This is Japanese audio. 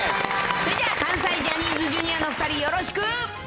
それじゃ関西ジャニーズＪｒ．のお２人、よろしく。